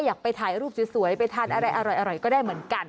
อยากไปถ่ายรูปสวยไปทานอะไรอร่อยก็ได้เหมือนกัน